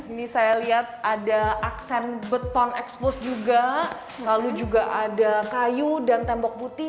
ini saya lihat ada aksen beton expose juga lalu juga ada kayu dan tembok putih